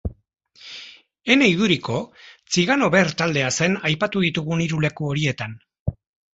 Ene iduriko, tzigano ber taldea zen aipatu ditugun hiru leku horietan.